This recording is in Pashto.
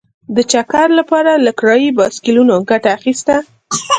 د چکر لپاره له کرايي بایسکلونو ګټه اخیسته.